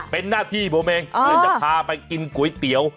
เป็นหน้าที่ผมเองเลยจะพาไปกินก๋วยเตี๋ยว